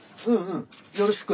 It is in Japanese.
よろしく。